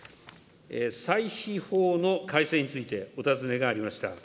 歳費法の改正についてお尋ねがありました。